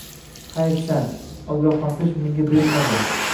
Xayfsan, ogoxlantirish menga berilmagan.